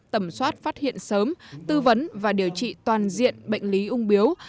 tẩm soát phát hiện sớm tư vấn và điều trị toàn diện bệnh lý ung biếu